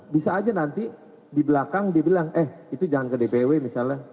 bisa aja nanti di belakang dia bilang eh itu jangan ke dpw misalnya